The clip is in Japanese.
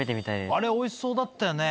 あれおいしそうだったよね。